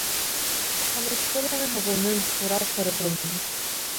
사뭇 호령을 하고는 돌아서려고 든다.